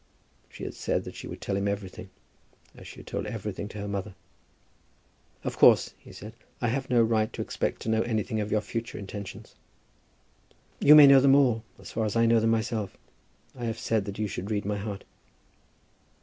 She had said that she would tell him everything, as she had told everything to her mother. "Of course," he said, "I have no right to expect to know anything of your future intentions?" "You may know them all, as far as I know them myself. I have said that you should read my heart."